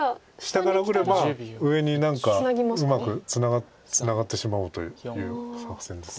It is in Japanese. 下からくれば上に何かうまくツナがってしまおうという作戦です。